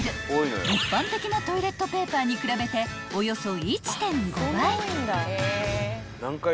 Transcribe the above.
［一般的なトイレットペーパーに比べておよそ１．５倍］